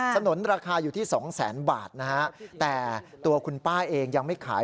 สนุนราคาอยู่ที่สองแสนบาทนะฮะแต่ตัวคุณป้าเองยังไม่ขาย